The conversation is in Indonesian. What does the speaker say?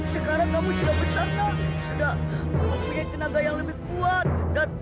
sekarang kamu sudah besar kan sudah mempunyai tenaga yang lebih kuat dan